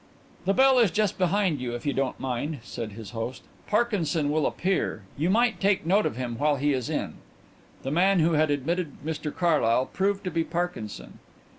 "The bell is just behind you, if you don't mind," said his host. "Parkinson will appear. You might take note of him while he is in." The man who had admitted Mr Carlyle proved to be Parkinson.